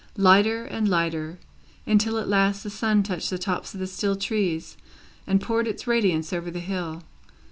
Lighter and lighter, until at last the sun touched the tops of the still trees, and poured its radiance over the hill.